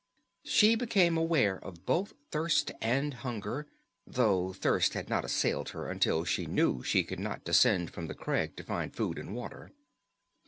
She became aware of both thirst and hunger, though thirst had not assailed her until she knew she could not descend from the crag to find food and water.